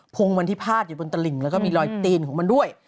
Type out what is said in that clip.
งมันที่พาดอยู่บนตลิ่งแล้วก็มีรอยตีนของมันด้วย